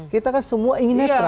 kita kan semua ingin netral